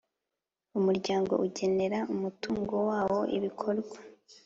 Umuryango ugenera umutungo wawo ibikorwa